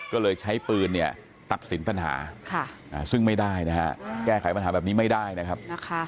ก็เลยใช้ปืนเนี่ยตัดสินปัญหาซึ่งไม่ได้นะฮะแก้ไขปัญหาแบบนี้ไม่ได้นะครับ